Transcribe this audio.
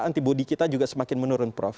antibody kita juga semakin menurun prof